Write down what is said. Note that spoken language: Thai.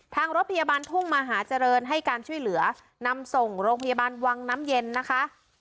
รถพยาบาลทุ่งมหาเจริญให้การช่วยเหลือนำส่งโรงพยาบาลวังน้ำเย็นนะคะ